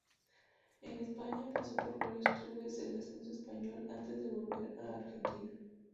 En España pasó por varios clubes del ascenso español antes de volver a Argentina.